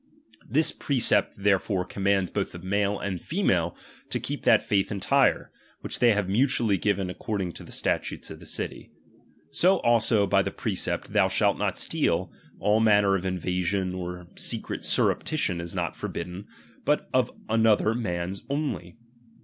This precept therefore com mands both male and female to keep that feith RELIGION. entire, which they have mutually given according ciiap.xvu, t,o the statutes of t!ie city. So also by the precept, '' ihoii shall not steal, all manner of invasion or secret surreption is not forbidden ; but of another mans only.